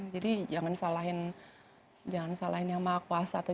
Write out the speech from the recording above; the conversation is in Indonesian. jadi jangan salahin yang maha kuasa